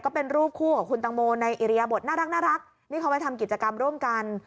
ก็เป็นรูปคู่กับคุณตังโมในอิริยบทน่ารักนี่เขาไปทำกิจกรรมร่วมกัน